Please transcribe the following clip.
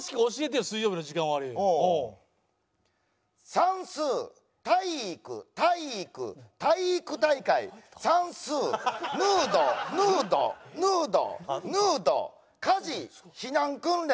算数体育体育体育大会算数ヌードヌードヌードヌード火事避難訓練